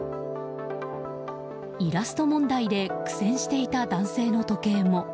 イラスト問題で苦戦していた男性の時計も。